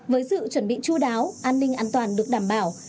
với sự chuẩn bị chú đáo an ninh an toàn được đảm bảo